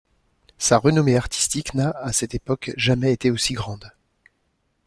Sa renommée artistique n'a, à cette époque, jamais été aussi grande.